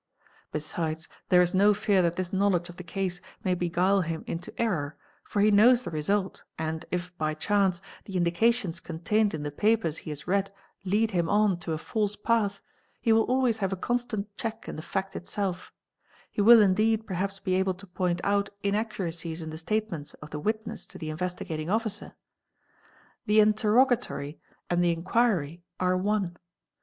Besides there is no fear that this knowledge of the case may beguile him into error, for he knows the result and if, by chance, the indications contained in the papers he has read lead him on to a false path he will always have a constant check in the fact itself; he will indeed perhaps be able to point, out inaccuracies in the statements of the witness to the Investigating Officer. The interrogatory and the inquiry are one.